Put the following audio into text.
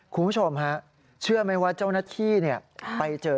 คุณผู้ชมฮะเชื่อไหมว่าเจ้าหน้าที่ไปเจอ